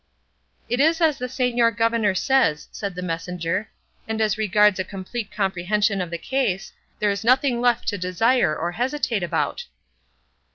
"It is as the señor governor says," said the messenger; "and as regards a complete comprehension of the case, there is nothing left to desire or hesitate about."